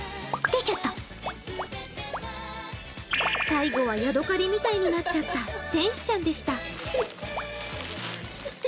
最後はヤドカリみたいになっちゃった天使ちゃんでした。